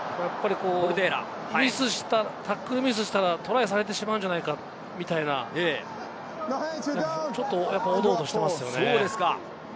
タックルミスしたらトライされてしまうんじゃないかみたいな、ちょっとおどおどしていますよね。